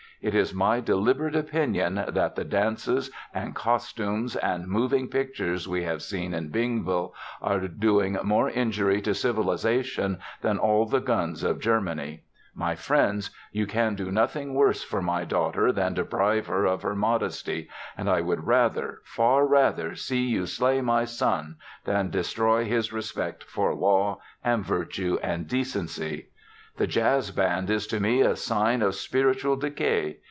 It is my deliberate opinion that the dances and costumes and moving pictures we have seen in Bingville are doing more injury to Civilization than all the guns of Germany. My friends, you can do nothing worse for my daughter than deprive her of her modesty and I would rather, far rather, see you slay my son than destroy his respect for law and virtue and decency. "The jazz band is to me a sign of spiritual decay.